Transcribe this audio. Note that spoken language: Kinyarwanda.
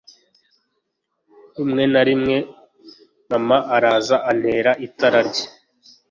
Rimwe na rimwe mama araza antera itara rye